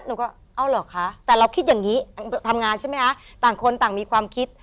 หนูก็เอาเหรอคะแต่เราคิดอย่างนี้ทำงานใช่ไหมคะต่างคนต่างมีความคิด